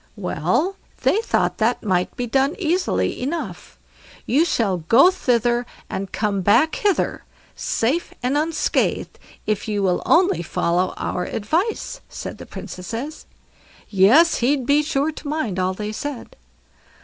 Well, they thought that might be done easily enough. "You shall go thither and come back hither, safe and unscathed, if you will only follow our advice", said the Princesses. Yes, he'd be sure to mind all they said.